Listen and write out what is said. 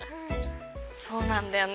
そうなんだよね。